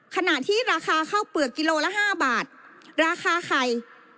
ขณะที่ราคาข้าวเปลือกกิโลละ๕บาทราคาไข่